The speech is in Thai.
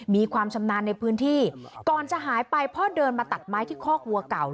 มีความชำนาญในพื้นที่ก่อนจะหายไปพ่อเดินมาตัดไม้ที่คอกวัวเก่า